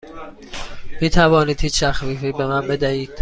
می توانید هیچ تخفیفی به من بدهید؟